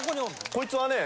こいつはね